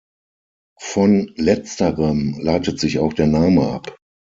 Von letzterem leitet sich auch der Name ab.